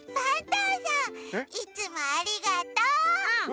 うんいつもありがとう。